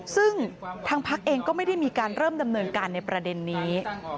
ซึ่งทางพักเองก็ไม่ได้มีการเริ่มดำเนินการในประเด็นนี้